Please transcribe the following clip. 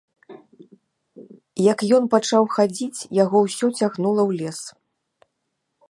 Як ён пачаў хадзіць, яго ўсё цягнула ў лес.